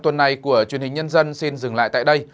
tuần này của truyền hình nhân dân xin dừng lại tại đây